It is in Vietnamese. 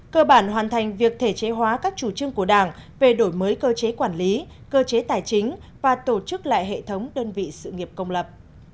cơ bản hoàn thành việc thể chế hóa các chủ trương của đảng về đổi mới cơ chế quản lý cơ chế tài chính và tổ chức lại hệ thống đơn vị sự nghiệp công lập